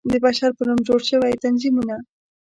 د بشر په نوم جوړ شوى تنظيمونه